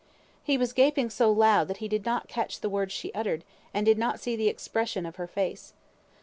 He was gaping so loud that he did not catch the words she uttered, and did not see the expression of her face.